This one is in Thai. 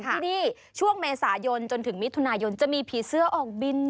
ที่นี่ช่วงเมษายนจนถึงมิถุนายนจะมีผีเสื้อออกบิน